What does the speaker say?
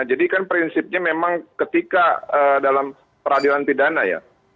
jadi kan prinsipnya memang ketika dalam peradilan pidana ya